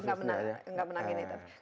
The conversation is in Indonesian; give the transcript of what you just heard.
tidak menangin itu